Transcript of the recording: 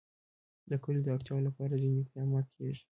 د کلیو د اړتیاوو لپاره ځینې اقدامات کېږي.